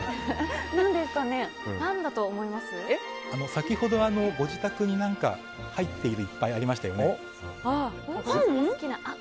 先ほど、ご自宅に入ってるものいっぱいありましたよね。